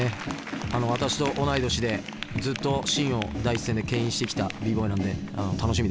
私と同い年でずっとシーンを第一線でけん引してきたＢＢＯＹなんで楽しみです。